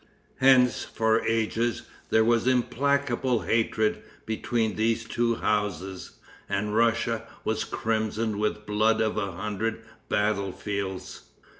Hence, for ages, there was implacable hatred between these two houses, and Russia was crimsoned with the blood of a hundred battle fields.